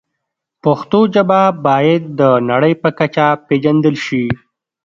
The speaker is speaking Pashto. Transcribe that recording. پښتو ژبه باید د نړۍ په کچه پېژندل شي.